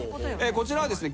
こちらはですね